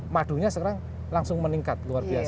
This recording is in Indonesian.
madunya sekarang langsung meningkat